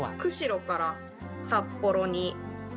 釧路から札幌に。